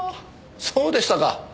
そうでしたか。